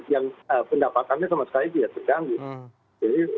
yang pendapatannya sama sekali tidak terganggu